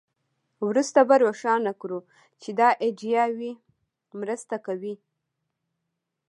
وروسته به روښانه کړو چې دا ایډیاوې مرسته کوي